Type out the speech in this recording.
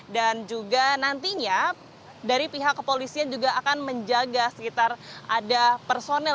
dan juga nantinya dari pihak kepolisian juga akan menjaga sekitar ada personel